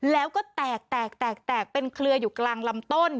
แล้วก็แตกแตกเป็นเครืออยู่กลางลำต้น